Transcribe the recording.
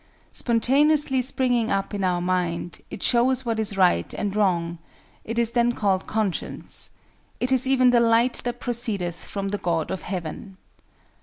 Spontaneously springing up in our mind, it shows what is right and wrong: it is then called conscience; it is even the light that proceedeth from the god of heaven."